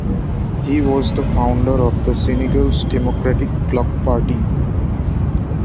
He was the founder of the Senegalese Democratic Bloc party.